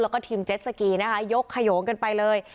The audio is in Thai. แล้วก็ทีมเจ็ดสกีนะคะยกขยงกันไปเลย